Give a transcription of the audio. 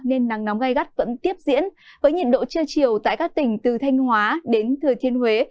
nên nắng nóng gai gắt vẫn tiếp diễn với nhiệt độ trưa chiều tại các tỉnh từ thanh hóa đến thừa thiên huế